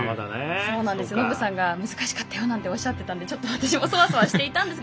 ノブさんが、難しかったよなんておっしゃってたんで、私もそわそわしていたんですが。